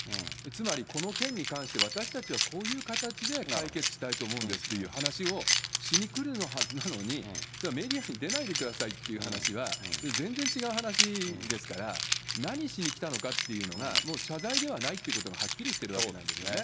つまり、この件に関して、私たちはこういう形で解決したいと思うんですという話をしにくるはずなのに、それがメディアに出ないでくださいという話は、全然違う話ですから、何しに来たのかっていうのが、もう謝罪ではないということがはっきりしてるわけなんですよね。